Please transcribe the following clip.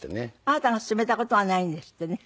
あなたが勧めた事はないんですってね。